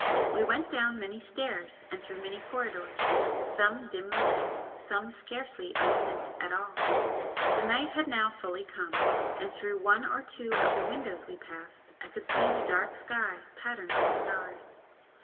We went down many stairs and through many corridors, some dimly lit, some scarcely illumined at all. The night had now fully come, and through one of two of the windows we passed I could see the dark sky patterned with stars.